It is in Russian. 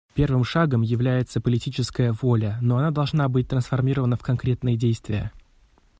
Первым шагом является политическая воля, но она должна быть трансформирована в конкретные действия.